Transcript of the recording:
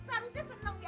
belum tau mardali kali ya